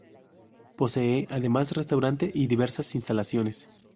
Posee además restaurante, y diversas instalaciones.